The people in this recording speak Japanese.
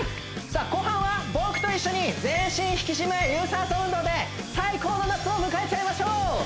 さあ後半は僕と一緒に全身引き締め有酸素運動で最高の夏を迎えちゃいましょう！